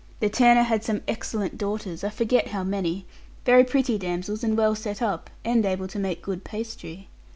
The tanner had some excellent daughters, I forget how many; very pretty damsels, and well set up, and able to make good pastry.